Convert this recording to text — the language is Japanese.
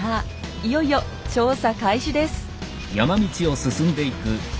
いよいよ調査開始です。